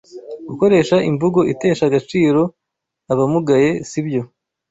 gukoresha imvugo itesha agaciro abamugaye sibyo